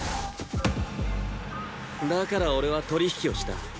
だから俺は取引をした。